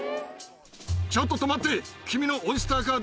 ちょっと止まって、はあ？